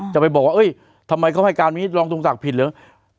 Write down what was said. จะไปบอกว่าทำไมเขาให้การอย่างนี้รองทรงศักดิ์ผิดเหรอ